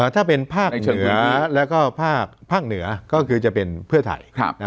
ถ้าเป็นภาคเหนือแล้วก็ภาคเหนือก็คือจะเป็นเพื่อไทย